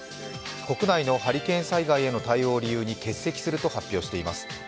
国内のハリケーン災害への対応を理由に欠席すると発表しています。